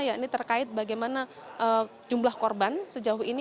ya ini terkait bagaimana jumlah korban sejauh ini